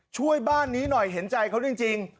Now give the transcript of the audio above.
ช่วยบ้านนี้หน่อยเห็นใจเขาจริง